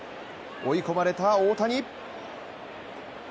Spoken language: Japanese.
追い込まれた大谷。